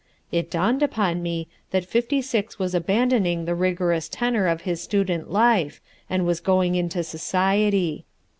It dawned upon me that Fifty Six was abandoning the rigorous tenor of his student life and was going into society.